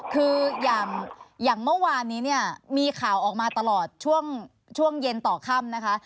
คืออย่างเมื่อวานนี้เนี่ยมีข่าวออกมาตลอดช่วงเย็นต่อค่ำนะคะ